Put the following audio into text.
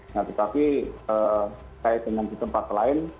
nah tetapi kait dengan di tempat lain